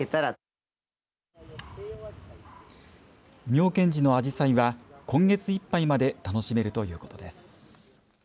妙顕寺のアジサイは今月いっぱいまで楽しめるということです。